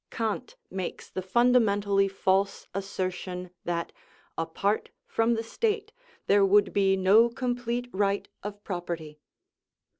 Kant makes the fundamentally false assertion that apart from the state there would be no complete right of property.